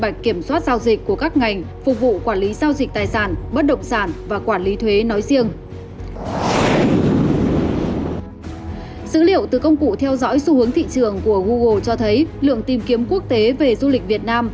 dữ liệu từ công cụ theo dõi xu hướng thị trường của google cho thấy lượng tìm kiếm quốc tế về du lịch việt nam